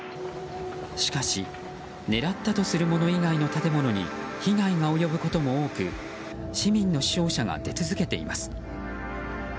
しかし、狙ったとするもの以外の建物に被害が及ぶことも多く市民の死傷者が出続けています。